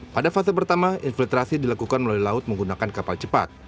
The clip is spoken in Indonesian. pada fase pertama infiltrasi dilakukan melalui laut menggunakan kapal cepat